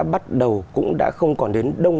bắt đầu cũng đã không còn đến đông